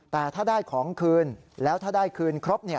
แต่ถ้าได้ของคืนแล้วถ้าได้คืนครบ